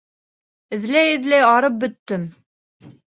Эҙләй-эҙләй арып бөттөм.